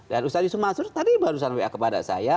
dan ustadz yusuf mansur tadi barusan wa kepada saya